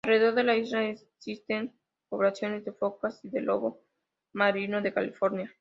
Alrededor de la isla existen poblaciones de focas y del lobo marino de California.